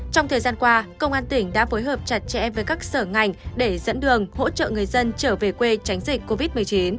trong thời gian qua công an tỉnh đã phối hợp chặt chẽ với các sở ngành để dẫn đường hỗ trợ người dân trở về quê tránh dịch covid một mươi chín